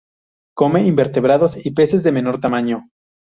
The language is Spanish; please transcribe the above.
Come invertebrados y peces de menor tamaño.